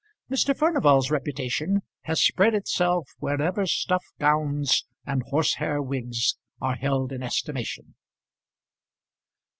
Mr. Furnival's reputation has spread itself wherever stuff gowns and horsehair wigs are held in estimation.